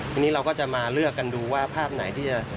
ทีนี้เราก็จะมาเลือกประหลาดผิดใดที่จะ